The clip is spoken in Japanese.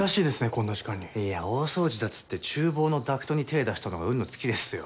こんな時間にいや大掃除だっつって厨房のダクトに手出したのが運の尽きですよ